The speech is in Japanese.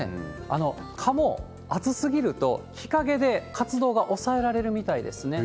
蚊も暑すぎると日陰で活動が抑えられるみたいですね。